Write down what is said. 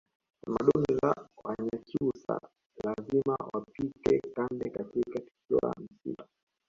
Tamaduni za Wanyakyusa lazima wapike kande katika tukio la msiba